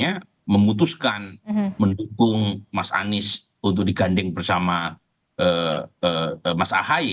kita tahu bahwa nasdem mengutuskan mendukung mas anis untuk digandeng bersama mas ahy